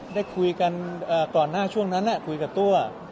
ได้คุยกันก่อนหน้าช่วงนั้นคุยกับตัว